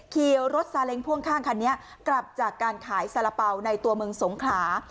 ขี่รถซาเล้งพ่วงข้างคันนี้กลับจากการขายสาระเป๋าในตัวเมืองสงขลา